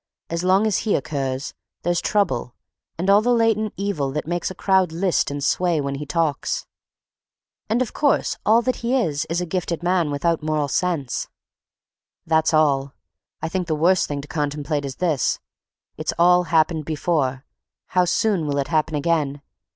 As long as he occurs, there's trouble and all the latent evil that makes a crowd list and sway when he talks." "And of course all that he is is a gifted man without a moral sense." "That's all. I think the worst thing to contemplate is this—it's all happened before, how soon will it happen again?